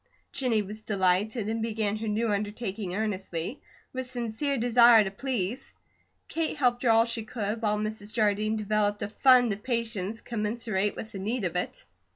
Jennie was delighted, and began her new undertaking earnestly, with sincere desire to please. Kate helped her all she could, while Mrs. Jardine developed a fund of patience commensurate with the need of it.